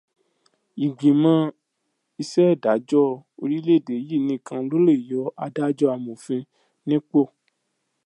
Ìgbìmọ̀ iṣedajọ orílè-èdè yí nikan lo le yọ Adájọ́-Amòfin nípò.